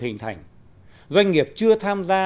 hình thành doanh nghiệp chưa tham gia